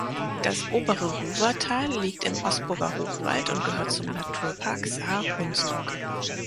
Das obere Ruwertal liegt im Osburger Hochwald und gehört zum Naturpark Saar-Hunsrück.